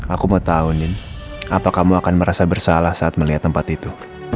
aku mau tahu apa kamu akan merasa bersalah saat melihat tempat itu